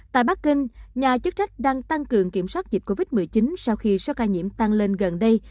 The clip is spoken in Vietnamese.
tại bắc kinh nhà chức trách đang tăng cường kiểm soát dịch covid một mươi chín sau khi số ca nhiễm tăng lên gần đây